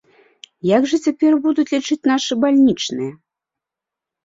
Як жа цяпер будуць лічыць нашы бальнічныя?